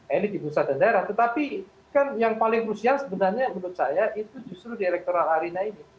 ini di bursa daerah tetapi kan yang paling rusia sebenarnya menurut saya itu justru di electoral arena ini